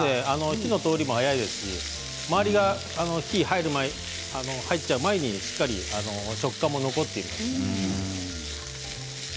火の通りも早いですし周りに火が入ってしまう前にしっかり食感も残っていますし。